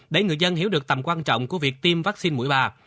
để người dân hiểu được tầm quan trọng của việc tiêm vaccine mũi ba